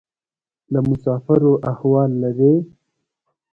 له مسافرو احوال لرې؟